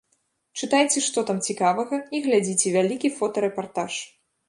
Чытайце, што там цікавага, і глядзіце вялікі фотарэпартаж.